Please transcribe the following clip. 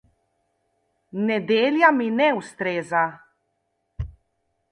Nedelja mi ne ustreza.